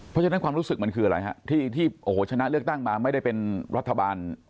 เพราะฉะนั้นความรู้สึกมันคืออะไรฮะที่โอ้โหชนะเลือกตั้งมาไม่ได้เป็นรัฐบาล